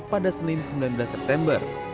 pada senin sembilan belas september